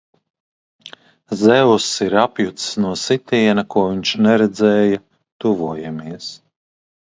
Zeus ir apjucis no sitiena, ko viņš neredzēja tuvojamies!